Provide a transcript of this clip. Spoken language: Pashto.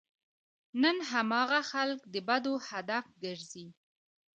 نن هماغه خلک د بدو هدف ګرځي.